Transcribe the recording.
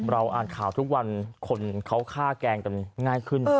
เราอ่านข่าวทุกวันคนเขาฆ่าแกงกันง่ายขึ้น